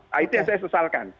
nah itu yang saya sesalkan